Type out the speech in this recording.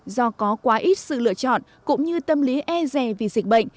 do có quá ít sự lựa chọn cũng như tâm lý e rè vì dịch bệnh